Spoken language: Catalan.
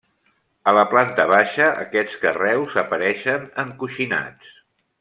A la planta baixa, aquests carreus apareixen encoixinats.